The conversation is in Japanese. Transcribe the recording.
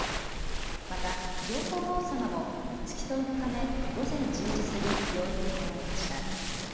また、上皇后さまも付き添いのため午前１０時過ぎ病院に入られました。